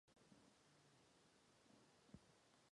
Wilson pro skupinu psal většinu písní.